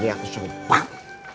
ini aku seru pak